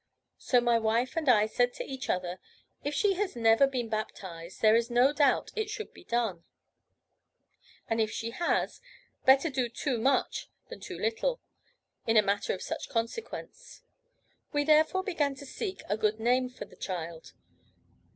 So my wife and I said to each other: 'If she has never been baptised, there is no doubt it should be done; and if she was, better do too much than too little, in a matter of such consequence.' We therefore began to seek a good name for the child.